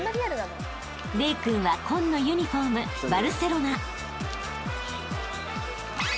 ［玲君は紺のユニホームバルセロナ］